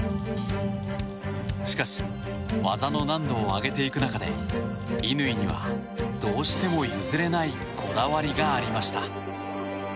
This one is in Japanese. しかし、技の難度を上げていく中で乾には、どうしても譲れないこだわりがありました。